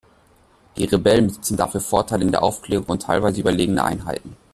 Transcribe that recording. Die Rebellen besitzen dafür Vorteile in der Aufklärung und teilweise überlegene Einheiten.